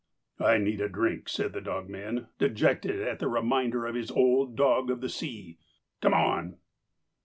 "I need a drink," said the dogman, dejected at the reminder of his old dog of the sea. "Come on."